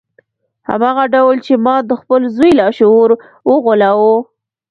هماغه ډول چې ما د خپل زوی لاشعور وغولاوه